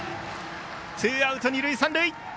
ツーアウト、二塁三塁。